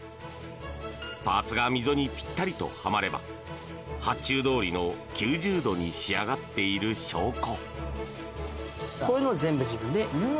パーツが溝にぴったりとはまれば発注どおりの９０度に仕上がっている証拠。